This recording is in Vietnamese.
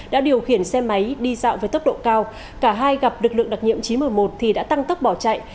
đã điều khiển xe máy đi dạo với tốc độ cao cả hai gặp lực lượng đặc nhiệm chín trăm một mươi một thì đã tăng tốc bỏ chạy